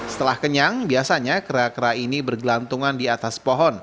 setelah kenyang biasanya kera kera ini bergelantungan di atas pohon